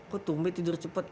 kok tumbe tidur cepet